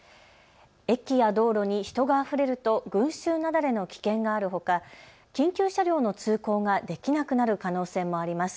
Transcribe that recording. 駅や道路に人があふれると群集雪崩の危険があるほか緊急車両の通行ができなくなる可能性もあります。